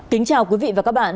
tính chào quý vị và các bạn